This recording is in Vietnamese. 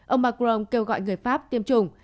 ông macron kêu gọi người pháp tiêm chủng